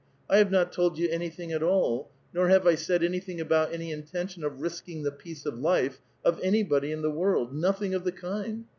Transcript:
I have not told you anything at all, nor have I said anything about any intention of risking the peace of life of anybody in the world ! nothing of the kind